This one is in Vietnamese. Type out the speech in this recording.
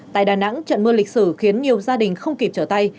tại đà nẵng trận mưa lịch sử khiến nhiều gia đình không kịp trở tay